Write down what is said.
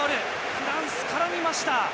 フランス、絡みました。